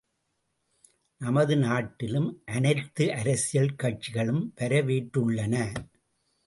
நமது நாட்டிலும் அனைத்து அரசியல் கட்சிகளும் வரவேற்றுள்ளன.